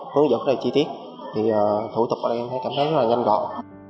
hướng dẫn rất là chi tiết thì thủ tục ở đây em thấy cảm thấy rất là nhanh gọn